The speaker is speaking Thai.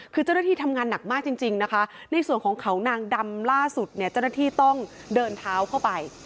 คือเจ้าหน้าที่ทำงานหนักมากจริงนะคะในส่วนของเขานางดำล่าสุดเนี่ยเจ้าหน้าที่ต้องเดินเท้าเข้าไป